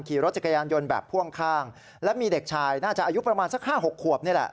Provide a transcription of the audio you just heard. ขี่รถจักรยานยนต์แบบพ่วงข้างและมีเด็กชายน่าจะอายุประมาณสัก๕๖ขวบนี่แหละ